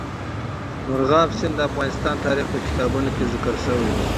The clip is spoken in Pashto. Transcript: مورغاب سیند د افغان تاریخ په کتابونو کې ذکر شوی دی.